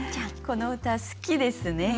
この歌好きですね。